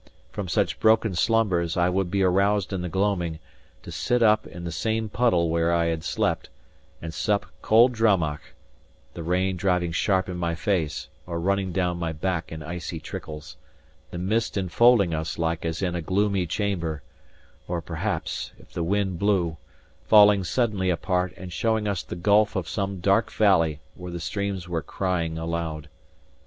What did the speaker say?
From such broken slumbers, I would be aroused in the gloaming, to sit up in the same puddle where I had slept, and sup cold drammach; the rain driving sharp in my face or running down my back in icy trickles; the mist enfolding us like as in a gloomy chamber or, perhaps, if the wind blew, falling suddenly apart and showing us the gulf of some dark valley where the streams were crying aloud.